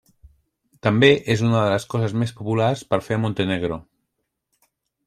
També és una de les coses més populars per fer a Montenegro.